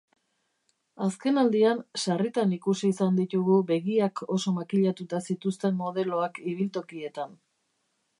Azkenaldian sarritan ikusi izan ditugu begiak oso makillatuta zituzten modeloak ibiltokietan.